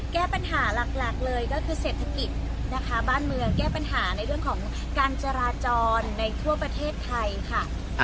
แก้ปัญหาหลักเลยก็คือเศรษฐกิจนะคะบ้านเมืองแก้ปัญหาในเรื่องของการจราจรในทั่วประเทศไทยค่ะ